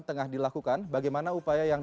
tengah dilakukan bagaimana upaya yang